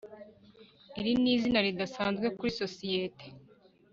iri ni izina ridasanzwe kuri sosiyete